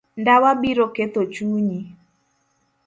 Ndawa biro ketho chunyi.